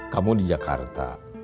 kamu di jakarta